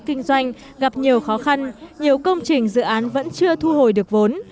kinh doanh gặp nhiều khó khăn nhiều công trình dự án vẫn chưa thu hồi được vốn